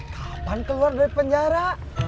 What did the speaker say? kapan keluar dari penjara